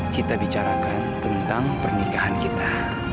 kita bicarakan tentang pernikahan kita